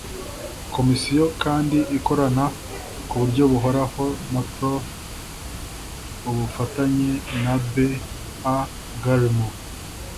Komisiyo kandi ikorana ku buryo buhoraho na prof Ubufatanye na B a Gallimore